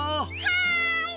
はい！